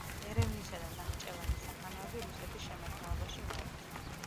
ერევნისა და ნახჭევანის სახანოები რუსეთის შემადგენლობაში მოექცა.